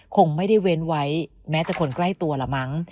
คงไม่ได้เว้นไว้แม้แต่คนใกล้ตัวละมั้ง